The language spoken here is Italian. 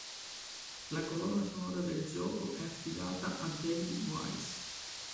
La colonna sonora del gioco è affidata a David Wise.